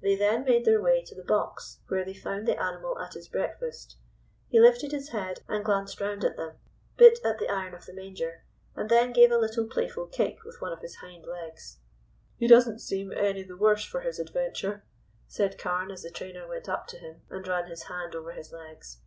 They then made their way to the box, where they found the animal at his breakfast. He lifted his head and glanced round at them, bit at the iron of the manger, and then gave a little playful kick with one of his hind legs. "He doesn't seem any the worse for his adventure," said Carne, as the trainer went up to him and ran his hand over his legs.